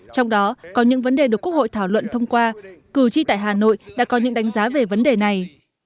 trong đó có những vấn đề được quốc hội thảo luận thông qua cử tri tại hà nội đã có những đánh giá về vấn đề này